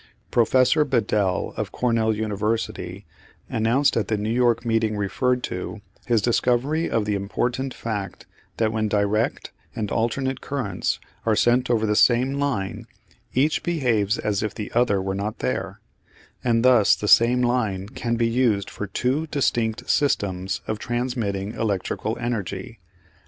Professor Bedell, of Cornell University, announced at the New York meeting referred to his discovery of the important fact that when direct and alternate currents are sent over the same line each behaves as if the other were not there, and thus the same line can be used for two distinct systems of transmitting electrical energy.